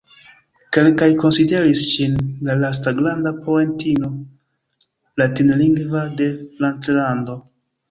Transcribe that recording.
Kelkaj konsideris ŝin la lasta granda poetino latinlingva de Franclando.